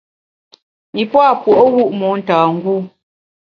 Yi pua’ puo’wu’ motângû.